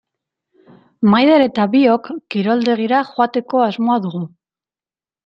Maider eta biok kiroldegira joateko asmoa dugu.